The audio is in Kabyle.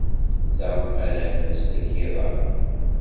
Da ara nens deg yiḍ-a.